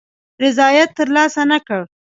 رضاییت تر لاسه نه کړ.